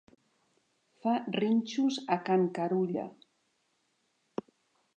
Fa rínxols a can Carulla.